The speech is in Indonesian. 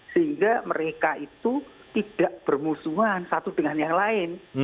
sehingga mereka itu tidak bermusuhan satu dengan yang lain